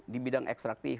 di bidang ekstraktif